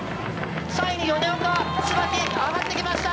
３位に米岡・椿上がってきました。